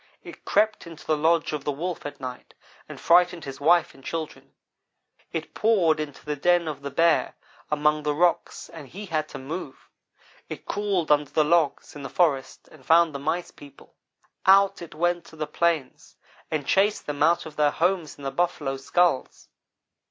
It crept into the lodge of the Wolf at night and frightened his wife and children. It poured into the den of the Bear among the rocks and he had to move. It crawled under the logs in the forest and found the Mice people. Out it went to the plains and chased them out of their homes in the buffalo skulls.